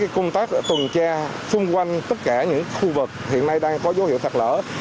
công tác tuần tra xung quanh tất cả những khu vực hiện nay đang có dấu hiệu sạt lở